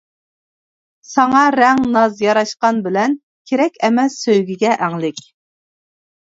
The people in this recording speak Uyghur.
ساڭا رەڭ، ناز ياراشقان بىلەن، كېرەك ئەمەس، سۆيگۈگە ئەڭلىك.